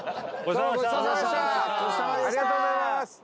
ありがとうございます。